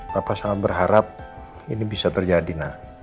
papa sangat berharap ini bisa terjadi na